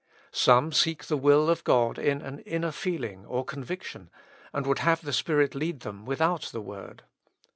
Some seek the will of God in an inner feeling or con viction, and would have the Spirit lead them without the word.